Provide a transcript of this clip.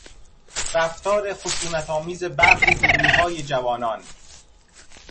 رفتار خشونتآمیز برخی گروههای جوانان